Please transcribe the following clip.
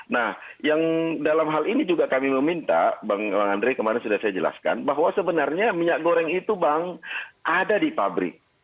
nah yang dalam hal ini juga kami meminta bang andre kemarin sudah saya jelaskan bahwa sebenarnya minyak goreng itu bang ada di pabrik